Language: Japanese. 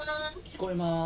「聞こえます」。